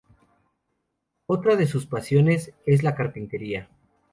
Otra de sus pasiones es la carpintería.